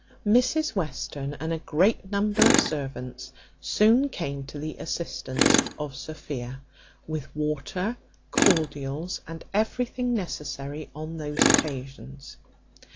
Mrs Western and a great number of servants soon came to the assistance of Sophia with water, cordials, and everything necessary on those occasions.